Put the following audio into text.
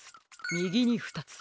みぎにふたつ。